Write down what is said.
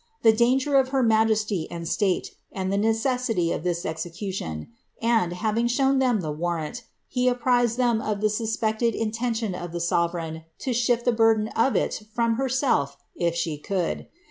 ■ the danger of her majesty and slate, and the necessity of this execution, ■ and, having shown them the warrant, he apprised them of the suspeciHl i intention of the soveteign to sliifi the burden of il from herself, if Jhf . could.